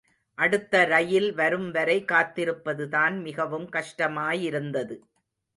அடுத்த ரயில் வரும்வரை காத்திருப்பதுதான் மிகவும் கஷ்டமாயிருந்தது.